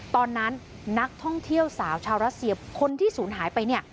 ตอนนั้นนักท่องเที่ยวสาวชาวรัสเซียคนที่ศูนย์หายไปเนี่ย